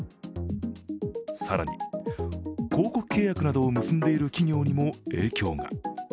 更に広告契約などを結んでいる企業にも影響が。